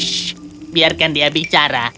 shh biarkan dia bicara